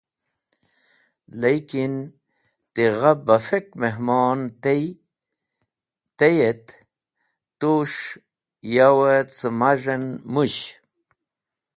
Likin, ti gha bafek mehmon tey et tu’s̃h yaw cẽ maz̃h en mũsh.